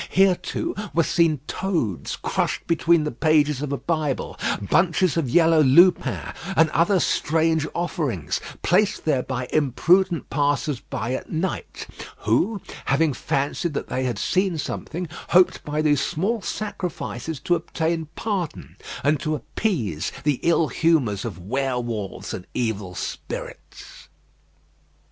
Here, too, were seen toads crushed between the pages of a Bible, bunches of yellow lupins, and other strange offerings, placed there by imprudent passers by at night, who, having fancied that they had seen something, hoped by these small sacrifices to obtain pardon, and to appease the ill humours of were wolves and evil spirits.